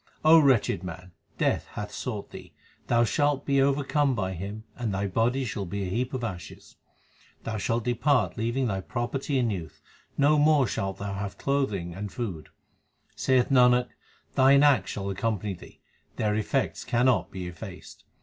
O wretched man, Death hath sought thee ; thou shalt be overcome by him, and thy body shall be a heap of ashes. Thou shalt depart leaving thy property and youth ; no more shalt thou have clothing and food. Saith Nanak, thine acts shall accompany thee, their effects cannot be effaced.